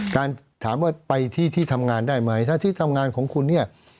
การถามว่าไปที่ที่ทำงานได้ไหมถ้าที่ทำงานของคุณเนี่ย